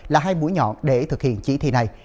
là hai mũi nhọn để thực hiện chỉ thị này